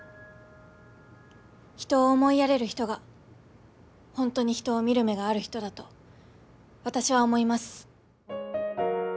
人を思いやれる人が本当に人を見る目がある人だと私は思います。